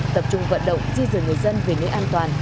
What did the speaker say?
tập trung vận động di dời người dân về nơi an toàn